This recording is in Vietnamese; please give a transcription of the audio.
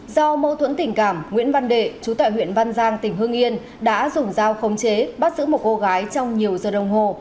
do mâu thuẫn tình cảm nguyễn văn đệ chú tại huyện văn giang tỉnh hương yên đã dùng dao khống chế bắt giữ một cô gái trong nhiều giờ đồng hồ